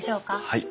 はい。